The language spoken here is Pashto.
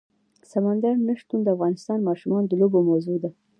سمندر نه شتون د افغان ماشومانو د لوبو موضوع ده.